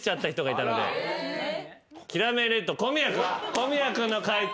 小宮君の解答